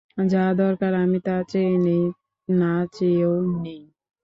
যা দরকার আমি তা চেয়ে নিই, না চেয়েও নিই।